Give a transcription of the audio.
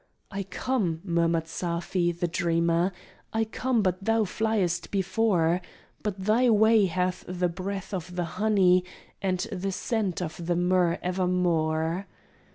"I come," murmured Safi, the dreamer, "I come, but thou fliest before: But thy way hath the breath of the honey, And the scent of the myrrh evermore."